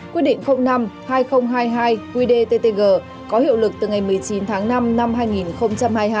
quyết định năm hai nghìn hai mươi hai quy đề ttg có hiệu lực từ ngày một mươi chín tháng năm năm hai nghìn hai mươi hai